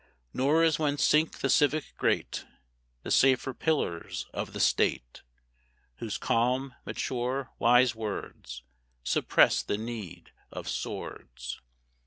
Nor as when sink the civic great, The safer pillars of the State, Whose calm, mature, wise words Suppress the need of swords.